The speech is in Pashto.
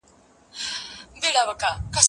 زه اوس مځکي ته ګورم!؟